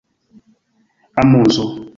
amuzo